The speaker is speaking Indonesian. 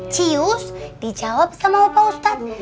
cius dijawab sama pak ustadz